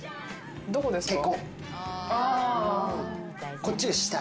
どこですか？